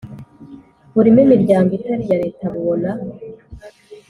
burimo imiryango itari iya Leta bubona